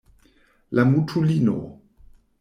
La mutulino.